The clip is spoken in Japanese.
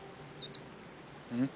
うん？